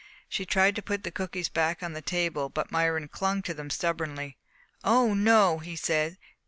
She tried to put the cookies back on the table but Myron clung to them stubbornly. "No, no!" he said.